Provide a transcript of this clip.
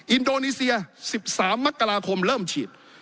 อินโดนีเซีย๑๓มกราคมเริ่มฉีด